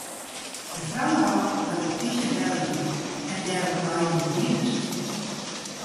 De frou rôp dat de polysje belle wie en dêrop naaiden de dieders út.